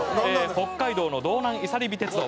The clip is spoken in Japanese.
北海道の道南いさりび鉄道」